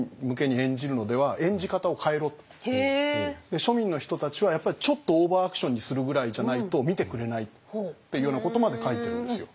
で庶民の人たちはやっぱりちょっとオーバーアクションにするぐらいじゃないと見てくれないっていうようなことまで書いてるんですよ。